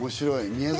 宮崎